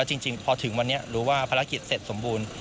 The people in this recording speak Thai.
จริงพอถึงวันนี้รู้ว่าภารกิจเสร็จสมบูรณ์